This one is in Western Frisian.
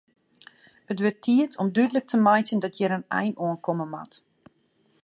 It wurdt tiid om dúdlik te meitsjen dat hjir in ein oan komme moat.